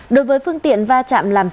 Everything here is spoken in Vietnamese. đối với phương tiện va chạm làm xe